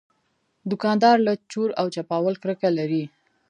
دوکاندار له چور او چپاول کرکه لري.